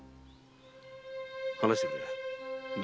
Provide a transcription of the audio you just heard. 話してくれぬか？